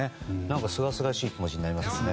すがすがしい気持ちになりますね。